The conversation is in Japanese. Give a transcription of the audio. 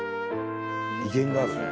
威厳があるね。